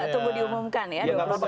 tunggu diumumkan ya